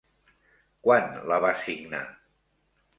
Quan la va signar?